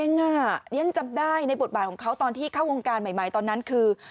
เรียนจำได้ในบทบาทของเขาตอนที่เข้าวงการใหม่ตอนนั้นคือ